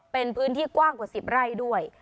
เป็นพื้นที่กว้างกว่า๑๐ไร่ด้วย